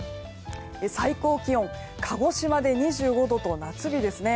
最高気温は鹿児島で２５度と夏日ですね。